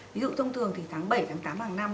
ví dụ thông thường thì tháng bảy tháng tám hàng năm